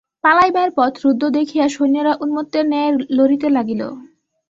পালাইবার পথ রুদ্ধ দেখিয়া সৈন্যেরা উন্মত্তের ন্যায় লড়িতে লাগিল।